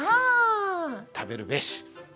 「食べるべし」。